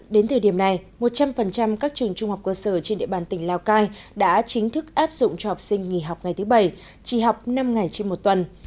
đến thời điểm này một trăm linh các trường trung học cơ sở trên địa bàn tỉnh lào cai đã chính thức áp dụng cho học sinh nghỉ học ngày thứ bảy chỉ học năm ngày trên một tuần